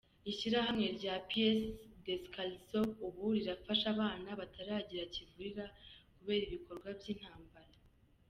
Ishyirahamwe rye Pies descalzos, ubu rifasha abana batagira kivurira kubera ibikorwa by’intamabara.